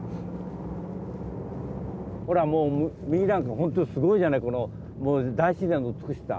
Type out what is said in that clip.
ほらもう右なんかほんとにすごいじゃないこの大自然の美しさ。